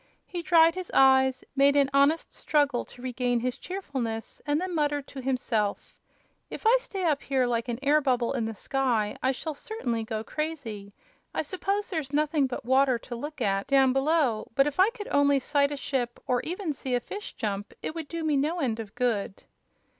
He dried his eyes, made an honest struggle to regain his cheerfulness, and then muttered to himself: "If I stay up here, like an air bubble in the sky, I shall certainly go crazy. I suppose there's nothing but water to look at down below, but if I could only sight a ship, or even see a fish jump, it would do me no end of good."